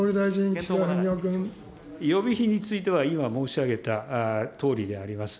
予備費については今申し上げたとおりであります。